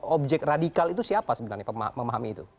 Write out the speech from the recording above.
objek radikal itu siapa sebenarnya memahami itu